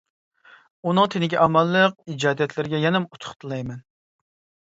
ئۇنىڭ تېنىگە ئامانلىق، ئىجادىيەتلىرىگە يەنىمۇ ئۇتۇق تىلەيمەن.